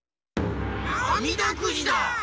あみだくじだ！